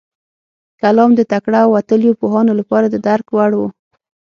کلام د تکړه او وتلیو پوهانو لپاره د درک وړ و.